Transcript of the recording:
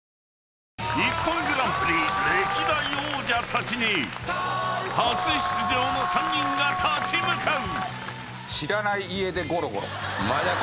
［『ＩＰＰＯＮグランプリ』歴代王者たちに初出場の３人が立ち向かう］